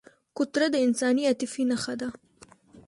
کوتره د انساني عاطفې نښه ده.